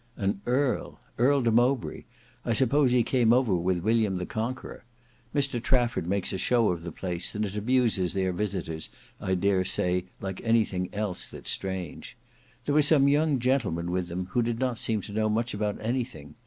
An earl! Earl de Mowbray,—I suppose he came over with William the Conqueror. Mr Trafford makes a show of the place, and it amuses their visitors I dare say, like anything else that's strange. There were some young gentlemen with them, who did not seem to know much about anything.